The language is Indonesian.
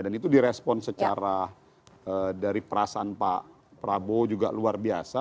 dan itu di respon secara dari perasaan pak prabowo juga luar biasa